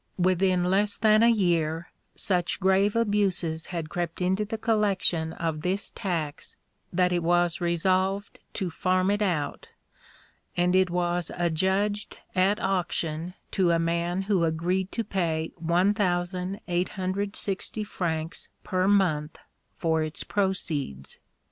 Within less than a year, such grave abuses had crept into the collection of this tax that it was resolved to farm it out, and it was adjudged at auction to a man who agreed to pay 1860 francs per month for its proceeds.